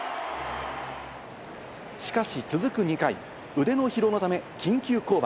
しかし続く２回、腕の疲労のため緊急降板。